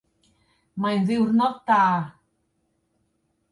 Mae'n ddiwrnod da!